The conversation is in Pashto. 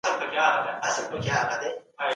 واوره د هېواد د ابادۍ د پرمختګ سبب ګرځې.